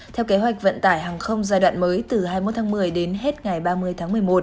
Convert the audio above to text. theo kế hoạch vận tải hàng không giai đoạn mới từ hai mươi một tháng một mươi đến hết ngày ba mươi tháng một mươi một